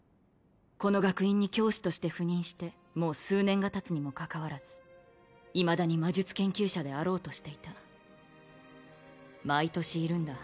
この学院に教師として赴任してもう数年がたつにもかかわらずいまだに魔術研究者であろうとしていた毎年いるんだ